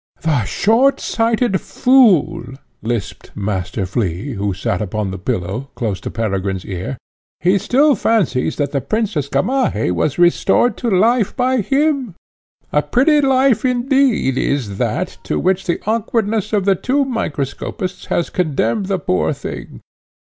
"The short sighted fool!" lisped Master Flea, who sate upon the pillow, close to Peregrine's ear. "He still fancies that the Princess, Gamaheh, was restored to life by him. A pretty life, indeed, is that, to which the awkwardness of the two microscopists has condemned the poor thing!"